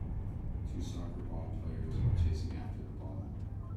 Two soccer ball players are chasing after the ball.